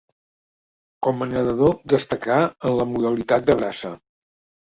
Com a nedador destacà en la modalitat de braça.